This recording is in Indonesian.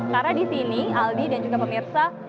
karena di sini aldi dan juga pemirsa